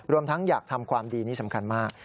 ทั้งอยากทำความดีนี่สำคัญมาก